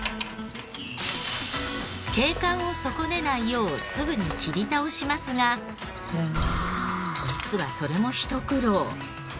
景観を損ねないようすぐに切り倒しますが実はそれもひと苦労。